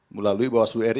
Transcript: melalui bawah seluruh ri